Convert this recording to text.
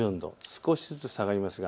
少しずつ下がります。